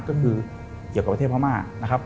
ก็คือเกี่ยวกับประเทศพม่านะครับ